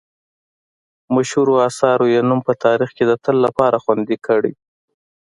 مشهورو اثارو یې نوم په تاریخ کې د تل لپاره خوندي کړی.